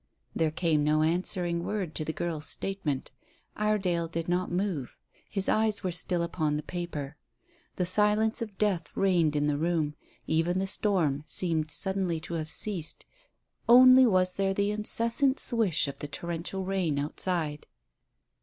There came no answering word to the girl's statement. Iredale did not move. His eyes were still upon the paper. The silence of death reigned in the room. Even the storm seemed suddenly to have ceased; only was there the incessant swish of the torrential rain outside.